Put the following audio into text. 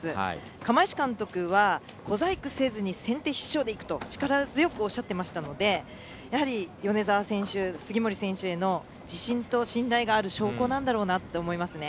釜石監督は小細工せずに先手必勝でいくと力強くおっしゃっていましたので米澤選手、杉森選手への自信と信頼がある証拠なんだろうなと思いますね。